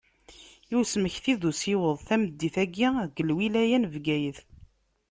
I usmekti d usiweḍ, tameddit-agi deg lwilaya n Bgayet.